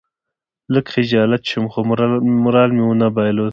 لږ خجالت شوم خو مورال مې ونه بایلود.